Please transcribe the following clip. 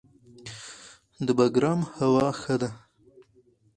د بګرام هوا ښه ده